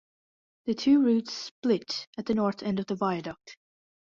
The two routes split at the north end of the viaduct.